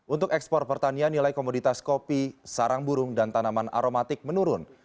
untuk ekspor pertanian nilai komoditas kopi sarang burung dan tanaman aromatik menurun